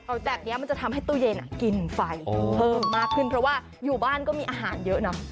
เอาแบบนี้มันจะทำให้ตู้เย็นกินไฟเพิ่มมากขึ้นเพราะว่าอยู่บ้านก็มีอาหารเยอะเนอะ